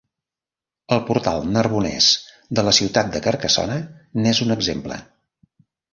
El portal Narbonés de la ciutat de Carcassona n'és un exemple.